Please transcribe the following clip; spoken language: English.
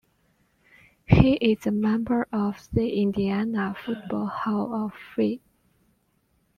He is a member of the Indiana Football Hall of Fame.